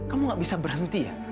kamu gak bisa berhenti ya